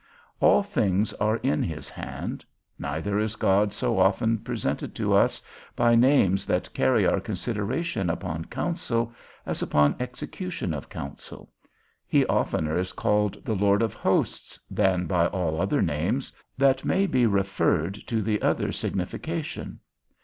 All things are in his hand; neither is God so often presented to us, by names that carry our consideration upon counsel, as upon execution of counsel; he oftener is called the Lord of Hosts than by all other names, that may be referred to the other signification.